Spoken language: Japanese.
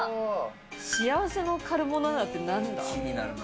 幸せのカルボナーラってなん気になるな。